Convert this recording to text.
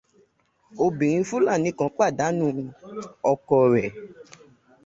Obìnrin Fúlàní kan pàdánù ọkọ rẹ̀.